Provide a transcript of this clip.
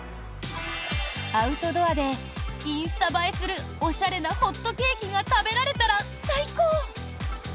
アウトドアでインスタ映えするおしゃれなホットケーキが食べられたら最高！